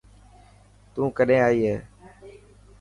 تون ڪڏهن ائي هي.